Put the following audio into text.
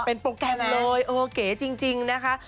เป็นโปรแกรมเลยเออเก๋จริงนะคะ